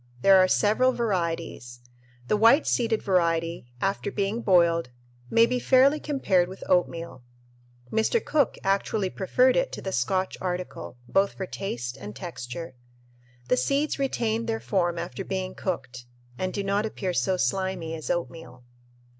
There are several varieties. The white seeded variety, after being boiled, may be fairly compared with oatmeal. Mr. Cook actually preferred it to the Scotch article, both for taste and texture. The seeds retain their form after being cooked and "do not appear so slimy as oatmeal."